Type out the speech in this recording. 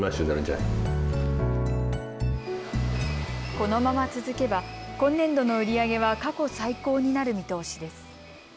このまま続けば今年度の売り上げは過去最高になる見通しです。